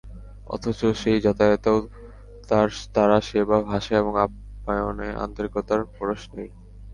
অথচ সেই যাতায়াতেও তারা সেবা, ভাষা এবং আপ্যায়নে আন্তরিকতার পরশ নেই।